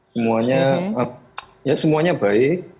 semuanya ya semuanya baik